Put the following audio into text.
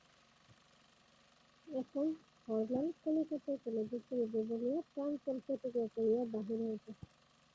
এখন হরলাল কলিকাতায় কলেজে পড়িবে বলিয়া প্রাণপণ প্রতিজ্ঞা করিয়া বাহির হইয়াছে।